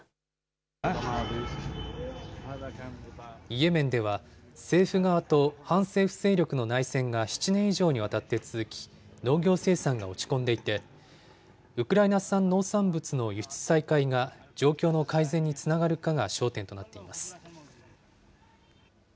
イエメンでは、政府側と反政府勢力の内戦が７年以上にわたって続き、農業生産が落ち込んでいて、ウクライナ産農産物の輸出再開が状況の改善につながるかが焦点となっています。